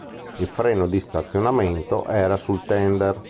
Il freno di stazionamento era sul tender.